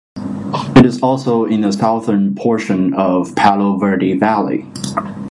It is also in the southern portion of the Palo Verde Valley.